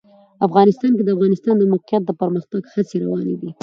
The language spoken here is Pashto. افغانستان کې د د افغانستان د موقعیت د پرمختګ هڅې روانې دي.